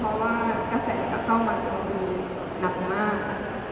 เพราะว่ากระแสกระเข้ามาเท่านี้หนักมาก